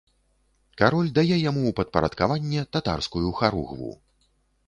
Кароль дае яму ў падпарадкаванне татарскую харугву.